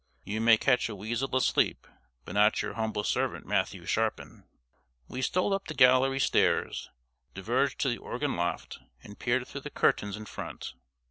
You may catch a weasel asleep, but not your humble servant, Matthew Sharpin! We stole up the gallery stairs, diverged to the organ loft, and peered through the curtains in front.